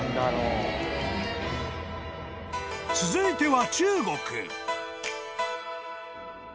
［続いては］